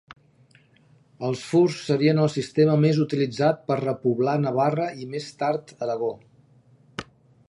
Els furs serien el sistema més utilitzat per repoblar Navarra i més tard Aragó.